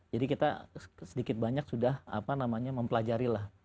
jadi kita sedikit banyak sudah apa namanya mempelajari lah